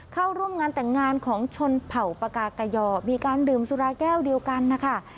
เข้าร่วมงานแต่งงานของชนเผ่าปากากยอมีการดื่มสุราแก้วเดียวกันนะคะ